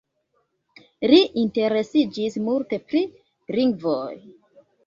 Li interesiĝis multe pri lingvoj.